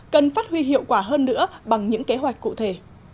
cần phát huy hiệu quả hơn nữa bằng những kế hoạch cụ thể